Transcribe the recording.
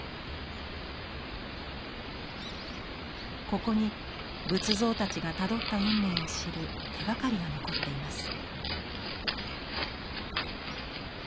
ここに仏像たちがたどった運命を知る手がかりが残っています。